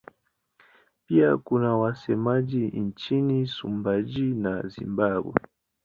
Pia kuna wasemaji nchini Msumbiji na Zimbabwe.